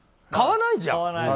買わないじゃん。